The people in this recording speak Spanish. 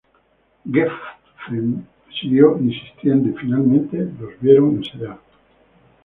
Geffen siguió insistiendo y finalmente los vieron ensayar.